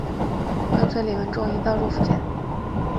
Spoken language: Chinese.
跟随李文忠一道入福建。